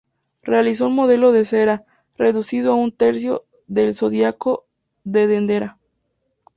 Realizó un modelo en cera, reducido a un tercio del Zodiaco de Dendera.